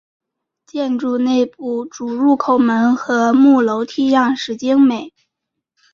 建筑内部主入口门和木楼梯样式精美。